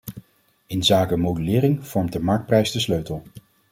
Inzake modulering vormt de marktprijs de sleutel.